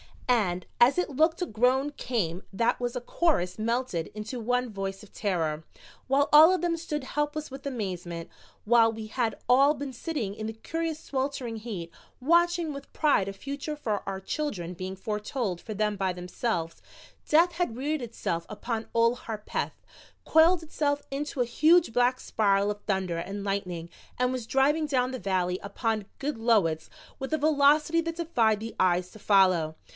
And as it looked a groan came that was a chorus melted into one voice of terror, while all of them stood helpless with amazement. While we had all been sitting in the curious sweltering heat, watching with pride a future for our children being foretold for them by themselves, death had reared itself behind Old Harpeth, coiled itself into a huge black spiral of thunder and lightning and was driving down the valley upon Goodloets with a velocity that defied the eyes to follow.